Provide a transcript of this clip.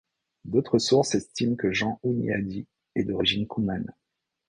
D'autres sources estiment que Jean Hunyadi est d'origine coumane.